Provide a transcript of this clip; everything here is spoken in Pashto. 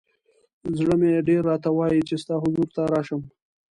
ز ړه مې ډېر راته وایی چې ستا حضور ته راشم.